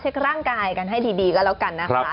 ร่างกายกันให้ดีก็แล้วกันนะคะ